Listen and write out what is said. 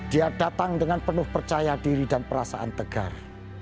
dia datang dengan penuh percaya diri dan perasaan tegar